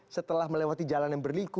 setelah melewati jalan yang berliku